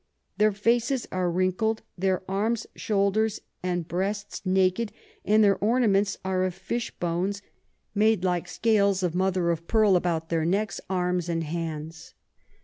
Their Faces are wrinkled, their Arms, Shoulders and Breasts naked; and their Ornaments are Fish Bones made like Scales of Mother of Pearl about their Necks, Arms and Hands.